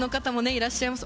いらっしゃいます